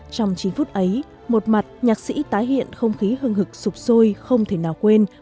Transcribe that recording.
trong chín phút ấy một mặt nhạc sĩ tái hiện không khí hương hực sụp sôi không thể nào quên